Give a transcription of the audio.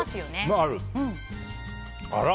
あら？